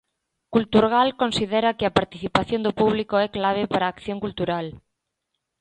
Culturgal considera que a participación do público é clave para a acción cultural.